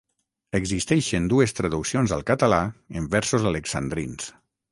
Existeixen dues traduccions al català en versos alexandrins.